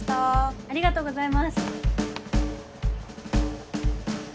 ありがとうございます。